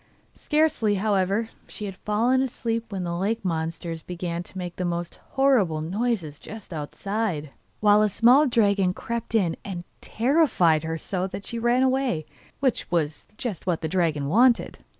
Scarcely, however, had she fallen asleep when the lake monsters began to make the most horrible noises just outside, while a small dragon crept in and terrified her so that she ran away, which was just what the dragon wanted!